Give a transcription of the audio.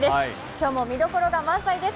今日も見どころが満載です。